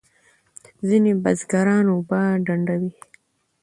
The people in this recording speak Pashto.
ځینې بزګران اوبه ډنډوي.